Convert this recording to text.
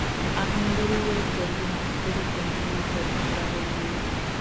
آهنګر وویل ګرګین عسکرو ته نوي ټوپک راغلی دی.